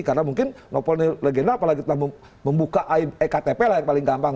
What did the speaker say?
karena mungkin snopel ini legenda apalagi kita membuka ektp lah yang paling gampang